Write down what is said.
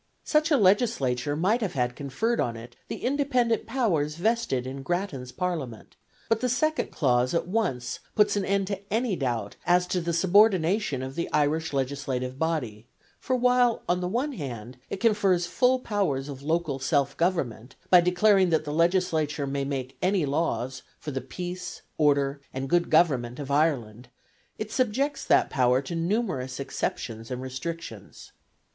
Such a legislature might have had conferred on it the independent powers vested in Grattan's Parliament: but the second clause at once puts an end to any doubt as to the subordination of the Irish legislative body; for while on the one hand it confers full powers of local self government, by declaring that the Legislature may make any laws for the peace, order, and good government of Ireland, it subjects that power to numerous exceptions and restrictions.